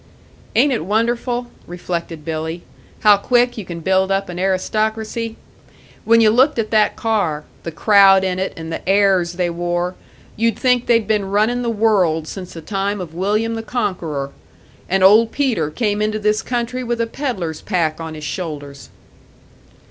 "Ain't it wonderful," reflected Billy, "how quick you can build up an aristocracy! When you looked at that car, the crowd in it and the airs they wore, you'd think they'd been running the world since the time of William the Conqueror. And Old Peter came into this country with a pedlar's pack on his shoulders!"